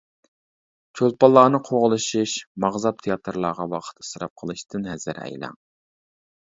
چولپانلارنى قوغلىشىش، ماغزاپ تىياتىرلارغا ۋاقىت ئىسراپ قىلىشتىن ھەزەر ئەيلەڭ.